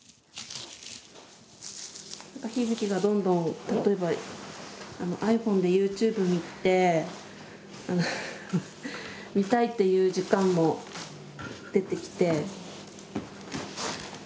日々貴がどんどん例えばｉＰｈｏｎｅでＹｏｕＴｕｂｅ見て見たいっていう時間も出てきて。